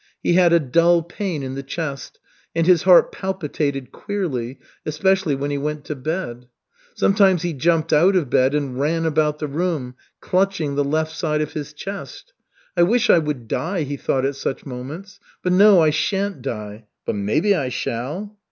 He had a dull pain in the chest and his heart palpitated queerly, especially when he went to bed. Sometimes he jumped out of bed and ran about the room, clutching the left side of his chest. "I wish I would die," he thought at such moments. "But, no, I shan't die. But maybe I shall."